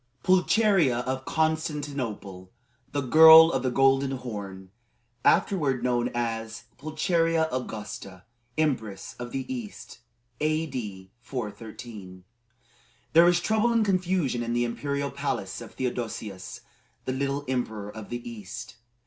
PULCHERIA of CONSTANTINOPLE: THE GIRL OF THE GOLDEN HORN (Afterward known as "Pulcheria Augusta, Empress of the East.") A.D. 413. There was trouble and confusion in the imperial palace of Theodosius the Little, Emperor of the East.